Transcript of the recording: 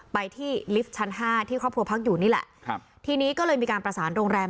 ไปที่ลิฟต์ชั้นห้าที่ครอบครัวพักอยู่นี่แหละครับทีนี้ก็เลยมีการประสานโรงแรม